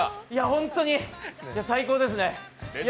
本当に最高ですね。